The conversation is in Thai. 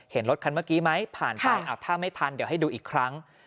เห็นรถคันเมื่อกี้ไหมผ่านไปถ้าไม่ทันเดี๋ยวให้ดูอีกครั้ง